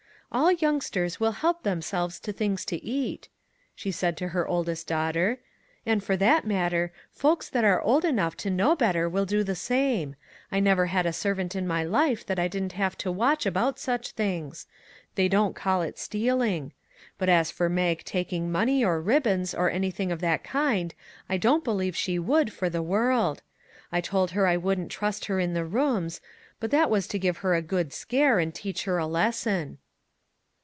" All youngsters will help themselves to things to eat," she said to her oldest daughter, " and, for that matter, folks that are old enough to know better will do the same; I never had a servant in my life that I didn't have to watch about such things; they don't call it stealing; but as for Mag taking money, or ribbons, or anything of that kind, I don't believe she would for the world. I told her I wouldn't trust her in the rooms; but that was to give her a good scare, and teach her a lesson."